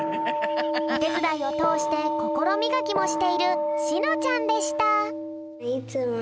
おてつだいをとおしてこころみがきもしているしのちゃんでした。